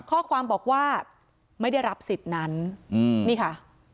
ข้อความบอกว่าไม่ได้รับสิทธิ์นั้นอืมนี่ค่ะ